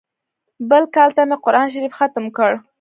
بل کال ته مې قران شريف ختم کړ.